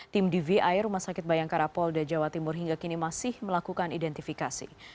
tim dvi rumah sakit bayangkara polda jawa timur hingga kini masih melakukan identifikasi